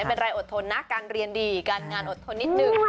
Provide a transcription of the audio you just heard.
เป็นไรอดทนนะการเรียนดีการงานอดทนนิดนึง